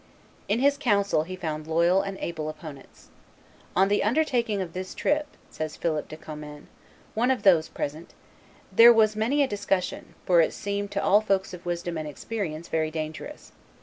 In his council he found loyal and able opponents. "On the undertaking of this trip," says Philip de Commynes, one of those present, "there was many a discussion, for it seemed to all folks of wisdom and experience very dangerous